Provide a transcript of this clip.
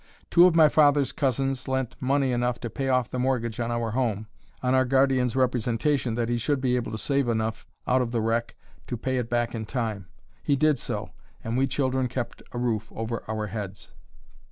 Two of my father's cousins lent money enough to pay off the mortgage on our home, on our guardian's representation that he should be able to save enough out of the wreck to pay it back in time. He did so; and we children kept a roof over our heads.